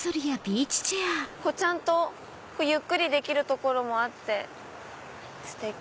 ちゃんとゆっくりできる所もあってステキ！